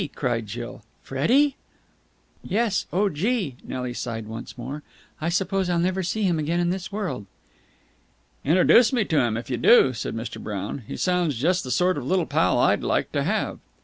cried Jill. "Freddie!" "Yes. Oh, Gee!" Nelly sighed once more. "I suppose I'll never see him again in this world." "Introduce me to him, if you do," said Mr. Brown. "He sounds just the sort of little pal I'd like to have!"